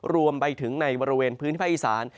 รวมไปถึงในบริเวณพื้นที่ภาคอีสาน